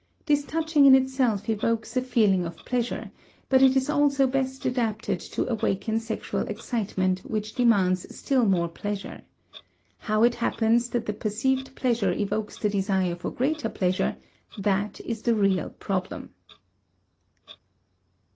This touching in itself evokes a feeling of pleasure, but it is also best adapted to awaken sexual excitement which demands still more pleasure. How it happens that the perceived pleasure evokes the desire for greater pleasure, that is the real problem.